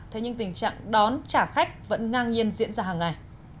thế nhưng tình trạng đón trả khách vẫn ngang nhiên diễn ra hàng ngày